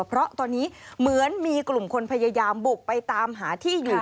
เพราะตอนนี้เหมือนมีกลุ่มคนพยายามบุกไปตามหาที่อยู่